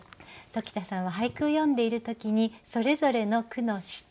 鴇田さんは俳句を読んでいる時にそれぞれの句の視点